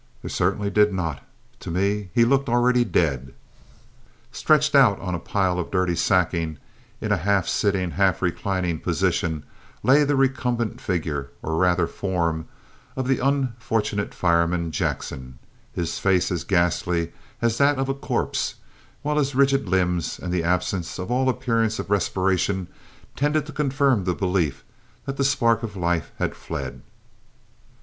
There certainly did not; to me he looked already dead. Stretched out on the pile of dirty sacking, in a half sitting, half reclining position, lay the recumbent figure, or rather form, of the unfortunate fireman Jackson, his face as ghastly as that of a corpse, while his rigid limbs and the absence of all appearance of respiration tended to confirm the belief that the spark of life had fled.